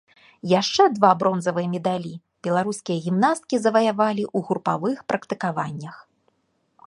Яшчэ два бронзавыя медалі беларускія гімнасткі заваявалі ў групавых практыкаваннях.